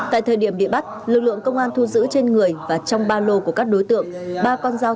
trong khi bị bắt lực lượng công an thu giữ trên người và trong ba lô của các đối tượng ba con dao